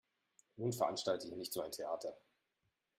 Nun veranstalte hier nicht so ein Theater.